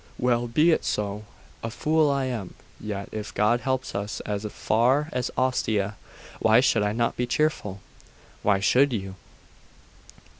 Well, be it so. A fool I am; yet, if God helps us as far as Ostia, why should I not be cheerful?' 'Why should you?